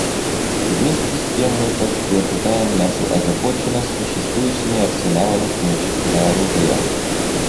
Вместе с тем мы подтверждаем нашу озабоченность существующими арсеналами химического оружия.